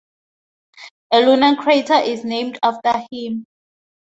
A lunar crater is named after him.